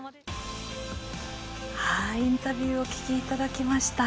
インタビューをお聞きいただきました。